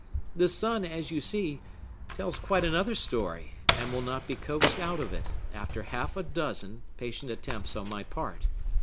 The sun, as you see, tells quite another story, and will not be coaxed out of it, after half a dozen patient attempts on my part.